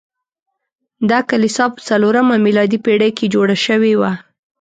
دا کلیسا په څلورمه میلادي پیړۍ کې جوړه شوې وه.